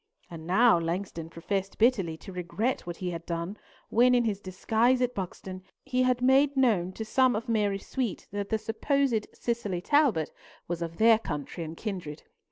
And now Langston professed bitterly to regret what he had done when, in his disguise at Buxton, he had made known to some of Mary's suite that the supposed Cicely Talbot was of their country and kindred.